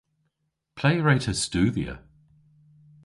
Ple hwre'ta studhya?